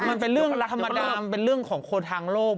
มันเป็นเรื่องธรรมดามันเป็นเรื่องของคนทางโลก